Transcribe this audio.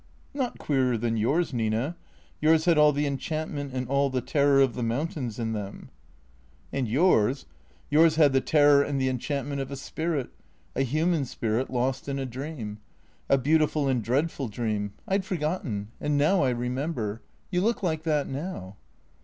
" Not queerer than yours, Nina. Yours had all the enchant ment and all the terror of the mountains in them." 231 233 THECEEATORS " And yours — yours had the terror and the enchantment of a spirit, a human spirit lost in a dream. A beautiful and dread ful dream, I'd forgotten; and now I remember. You look like that now."